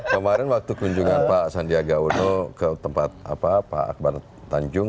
kemarin waktu kunjungan pak sandiaga uno ke tempat pak akbar tanjung